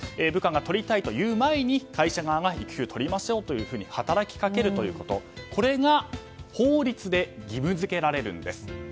部下が取りたいと言う前に会社側が育休取りましょうというふうに働きかけるということこれが法律で義務付けられるんです。